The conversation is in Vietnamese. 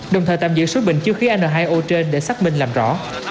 đồng thời tạm giữ số bình chứa khí n hai o trên để xác minh làm rõ